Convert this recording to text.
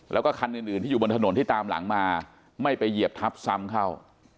แล้วก็คันอื่นที่อยู่บนถนนที่ตามหลังมาไม่ไปเหยียบทับซ้ำเข้า